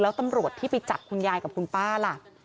แล้วตำรวจที่ไปจับคุณยายกับคุณป้าล่ะ